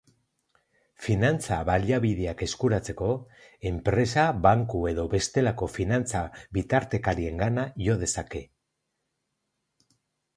Finantza-baliabideak eskuratzeko, enpresa banku edo bestelako finantza-bitartekariengana jo dezake.